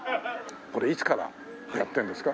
これいつからやってるんですか？